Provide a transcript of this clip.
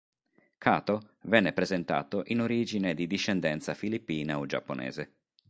Kato venne presentato in origine di discendenza filippina o giapponese.